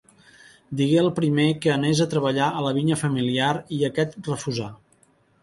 Digué al primer que anés a treballar a la vinya familiar i aquest refusà.